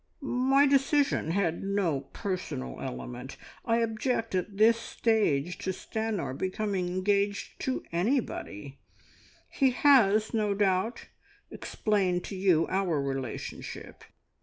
"My decision had no personal element. I object at this stage to Stanor becoming engaged to anybody. He has, no doubt, explained to you our relationship.